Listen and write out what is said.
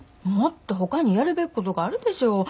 もっとほかにやるべきことがあるでしょ。